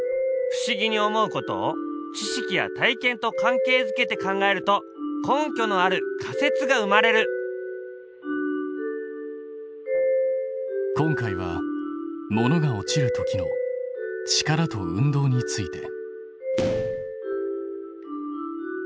不思議に思うことを知識や体験と関係づけて考えると根拠のある仮説が生まれる今回は物が落ちる時の力と運動について。